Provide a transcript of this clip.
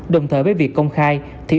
đồng thời với việc công khai thì